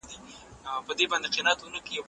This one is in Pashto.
زه پرون کتابتون ته راغلم!.